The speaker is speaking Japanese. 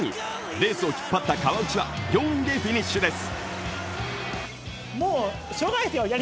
レースを引っ張った川内は４位でフィニッシュです。